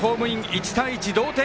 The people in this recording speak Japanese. １対１、同点。